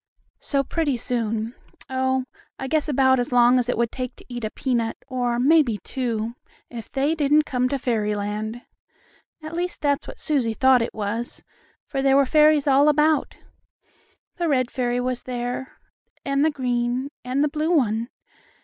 So pretty soon oh, I guess in about as long as it would take to eat a peanut, or, maybe, two, if they didn't come to fairyland. At least that's what Susie thought it was, for there were fairies all about. The red fairy was there, and the green, and the blue one.